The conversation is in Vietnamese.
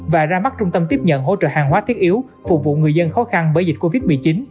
và ra mắt trung tâm tiếp nhận hỗ trợ hàng hóa thiết yếu phục vụ người dân khó khăn bởi dịch covid một mươi chín